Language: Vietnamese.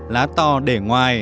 lá to để ngoài